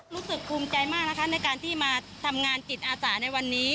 รู้สึกภูมิใจมากนะคะในการที่มาทำงานจิตอาสาในวันนี้